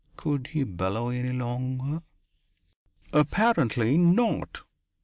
Could he bellow any longer? Apparently not.